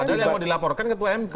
ada yang mau dilaporkan ketua mk